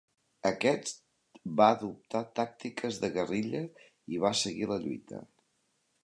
Aquest va adoptar tàctiques de guerrilla i va seguir la lluita.